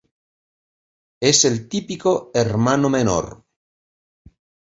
Es el típico hermano menor.